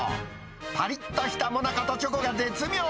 ぱりっとした最中とチョコが絶妙。